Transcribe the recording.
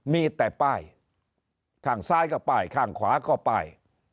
มีแต่ป้ายข้างซ้ายก็ป้ายข้างขวาก็ป้าย